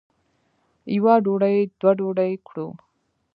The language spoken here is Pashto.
یوه ډوډۍ دوه ډوډۍ کړو.